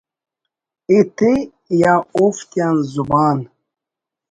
ایتے یا اوفتیان زبان